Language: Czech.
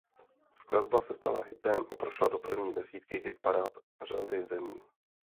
Skladba se stala hitem a prošla do první desítky hitparád řady zemí.